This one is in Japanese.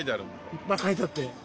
いっぱい書いてあって。